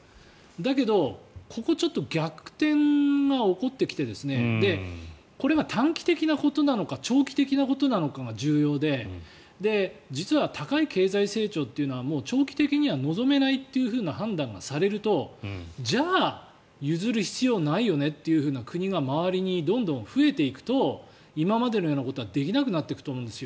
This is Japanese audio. だけどここちょっと逆転が起こってきてこれが短期的なことなのか長期的なことなのかが重要で実は高い経済成長というのはもう長期的には望めないという判断がされるとじゃあ、譲る必要ないよねっていう国が、周りにどんどん増えていくと今までのようなことはできなくなっていくと思うんです。